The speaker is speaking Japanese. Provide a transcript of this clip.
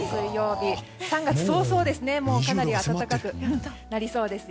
３月早々かなり暖かくなりそうです。